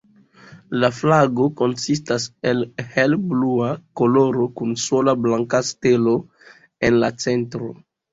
La flago konsistas el helblua koloro kun sola blanka stelo en la centro.